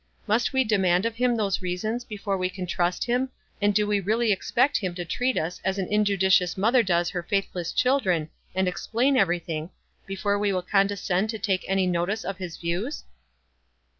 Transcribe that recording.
Must we demand of him those reasons before we can trust him, and do we really expect him to treat us as an injudiciou3 mother does her faith less children, and explain evevy thing, before we will condescend to take any notice of his views?"